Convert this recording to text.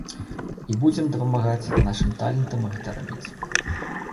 І будзем дапамагаць нашым талентам гэта рабіць.